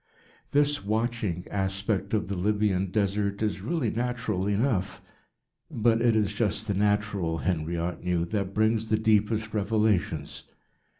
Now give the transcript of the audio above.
This "watching" aspect of the Libyan Desert is really natural enough; but it is just the natural, Henriot knew, that brings the deepest revelations.